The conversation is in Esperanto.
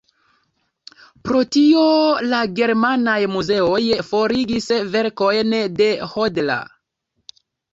Pro tio la germanaj muzeoj forigis verkojn de Hodler.